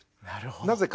なるほど。